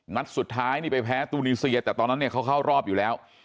นัดสุดท้ายนี่ไปแพ้ตูนีเซียแต่ตอนนั้นเนี่ยเขาเข้ารอบอยู่แล้ว